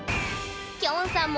きょんさんも